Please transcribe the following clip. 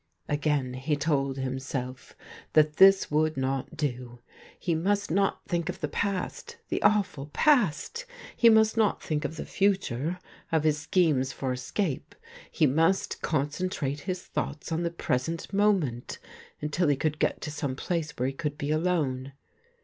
^Again he told himself that this 61 THE GREEN LIGHT would not do. He must not think of the past — the awful j^ast. He must not think of the future — of his schemes for escape. He must concentrate his thoughts on the present moment, until he could get to some place where he could be alone.